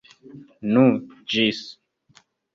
Nu, ĝis!